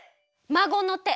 まごの手！？